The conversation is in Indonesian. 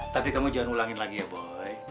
tapi kamu jangan ulangin lagi ya boy